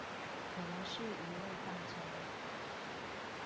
可能是娛樂大家